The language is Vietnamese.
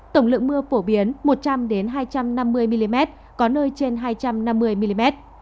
tổng lượng mưa phổ biến một trăm linh hai trăm năm mươi mm có nơi trên hai trăm năm mươi mm